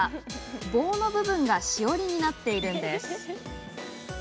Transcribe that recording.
棒の部分がしおりになっているんです。